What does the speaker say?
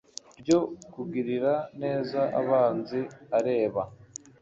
ryo kugirira neza abanzi a reba